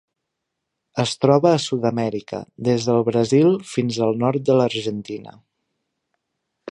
Es troba a Sud-amèrica: des del Brasil fins al nord de l'Argentina.